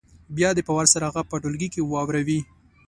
بیا دې په وار سره هغه په ټولګي کې واوروي